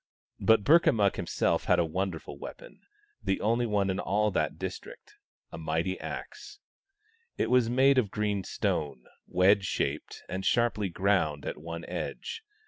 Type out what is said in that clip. But Burka mukk himself had a wonderful weapon, the only one in all that district — a mighty axe. It was made of green stone, wedge shaped, and sharply ground at one edge.